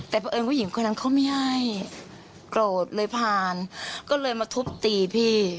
แต่เพราะเอิญผู้หญิงคนนั้นเขาไม่ให้โกรธเลยผ่านก็เลยมาทุบตีพี่